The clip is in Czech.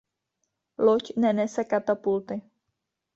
Loď nenese katapulty.